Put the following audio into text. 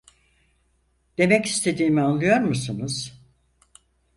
Demek istediğimi anlıyor musunuz?